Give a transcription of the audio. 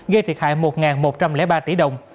gây thiệt hại một một trăm linh ba tỷ đồng